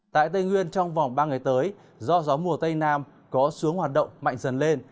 tại tây nguyên trong vòng ba ngày tới do gió mùa tây nam có xu hướng hoạt động mạnh dần lên